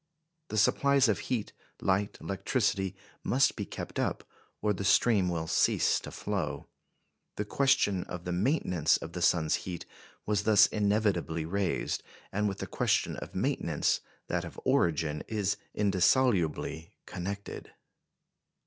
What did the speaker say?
The supplies of heat, light, electricity, must be kept up, or the stream will cease to flow. The question of the maintenance of the sun's heat was thus inevitably raised; and with the question of maintenance that of origin is indissolubly connected.